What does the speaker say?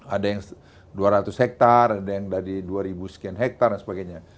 ada yang dua ratus hektare ada yang dari dua ribu sekian hektare dan sebagainya